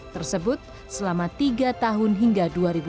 tersebut selama tiga tahun hingga dua ribu dua